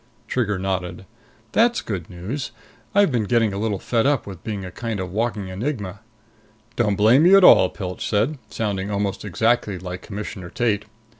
Trigger nodded. "That's good news. I've been getting a little fed up with being a kind of walking enigma." "Don't blame you at all," Pilch said, sounding almost exactly like Commissioner Tate.